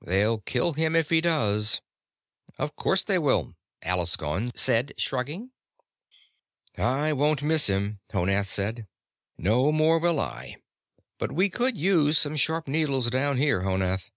"They'll kill him if he does." "Of course they will," Alaskon said, shrugging. "I won't miss him," Honath said. "No more will I. But we could use some sharp needles down here, Honath.